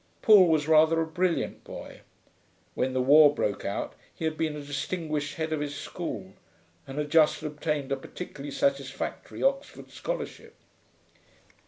Paul was rather a brilliant boy. When the war broke out he had been a distinguished head of his school, and had just obtained a particularly satisfactory Oxford scholarship.